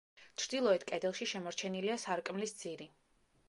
ჩრდილოეთ კედელში შემორჩენილია სარკმლის ძირი.